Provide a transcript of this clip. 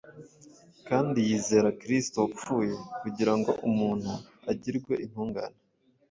kandi yizera Kristo wapfuye kugira ngo umuntu agirwe intungane.